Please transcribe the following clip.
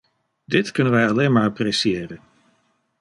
Dit kunnen wij alleen maar appreciëren.